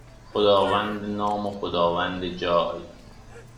خداوند نام و خداوند جای